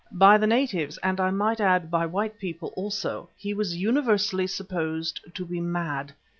By the natives, and I might add by white people also, he was universally supposed to be mad.